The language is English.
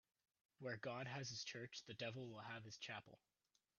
Where God has his church, the devil will have his chapel